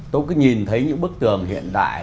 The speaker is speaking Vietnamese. tôi cứ nhìn thấy những bức tường hiện đại